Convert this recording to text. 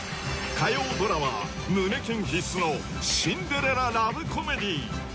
火曜ドラマは胸キュン必須のシンデレララブコメディ